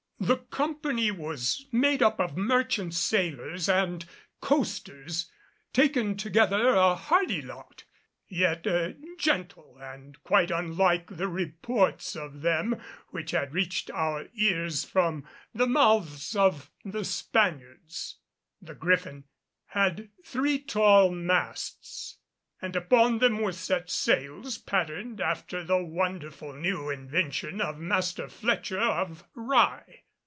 The company was made up of merchant sailors and coasters, taken altogether a hardy lot, yet gentle and quite unlike the reports of them which had reached our ears from the mouths of the Spaniards. The Griffin had three tall masts, and upon them were set sails patterned after the wonderful new invention of Master Fletcher of Rye.